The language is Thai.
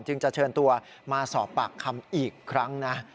จึงจะเชิญตัวมาสอบปากคำอีกครั้งนะ